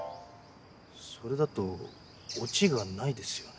それだとオチがないですよね？